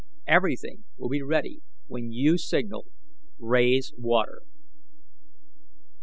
Everything will be ready when you signal "Raise water."'"